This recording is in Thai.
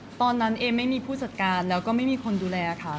ตอนนั้นเอมไม่มีผู้จัดการแล้วก็ไม่มีคนดูแลค่ะ